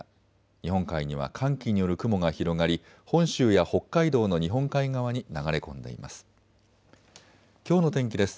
日本海には寒気による雲が広がり本州や北海道の日本海側に流れ込んでいます。